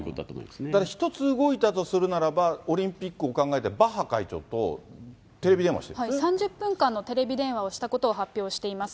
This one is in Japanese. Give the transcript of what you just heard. ただ一つ動いたとするならば、オリンピックを考えて、バッハ会３０分間のテレビ電話をしたことを発表しています。